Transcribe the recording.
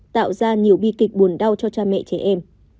tạo ra nhiều bi kịch buồn đau cho cha mẹ trẻ em